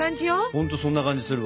ほんとそんな感じするわ。